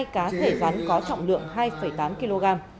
hai cá thể rắn có trọng lượng hai tám kg